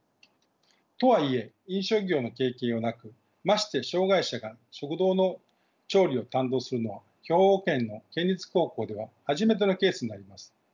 とはいえ飲食業の経験はなくまして障害者が食堂の調理を担当するのは兵庫県の県立高校では初めてのケースになります。